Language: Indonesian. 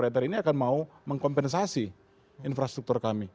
yang ketiga ini akan mau mengkompensasi infrastruktur kami